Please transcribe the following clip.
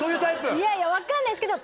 いやいや分かんないですけど。